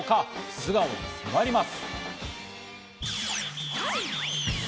素顔に迫ります。